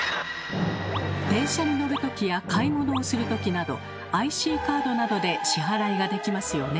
電車に乗るときや買い物をするときなどＩＣカードなどで支払いができますよね。